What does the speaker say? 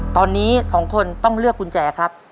ตอนนี้๒คนต้องเลือกกุญแจครับ